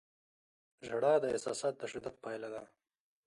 • ژړا د احساساتو د شدت پایله ده.